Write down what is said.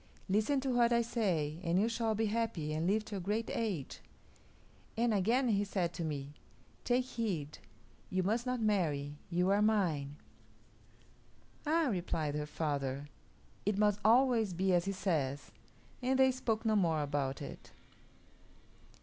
Listen to what I say, and you shall be happy and live to a great age.' And again he said to me, 'Take heed, you must not marry; you are mine.'" "Ah!" replied her father; "it must always be as he says"; and they spoke no more about it.